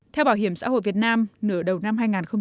theo bảo hiểm xã hội việt nam nửa đầu năm hai nghìn một mươi sáu